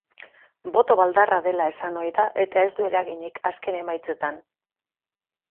Boto baldarra dela esan ohi da, eta ez du eraginik azken emaitzetan.